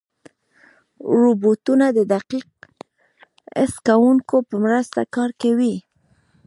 روبوټونه د دقیق حس کوونکو په مرسته کار کوي.